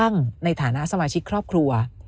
ในฐานะสมาชิกครอบครัว